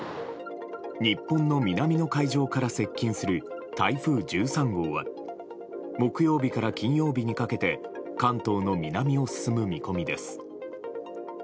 日本の南の海上から接近する台風１３号は木曜日から金曜日にかけて関東の南を進む見込みです。